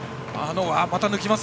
また抜きました。